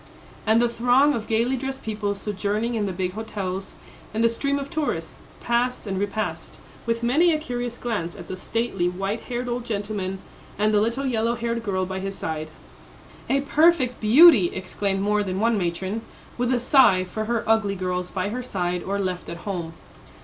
And the throng of gaily dressed people sojourning in the big hotels, and the stream of tourists, passed and repassed, with many a curious glance at the stately, white haired old gentleman and the little yellow haired girl by his side. "A perfect beauty!" exclaimed more than one matron, with a sigh for her ugly girls by her side or left at home.